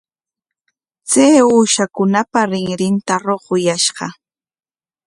Chay uushakunapa rinrinta ruquyashqa.